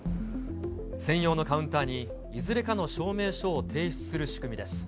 専用のカウンターに、いずれかの証明書を提示する仕組みです。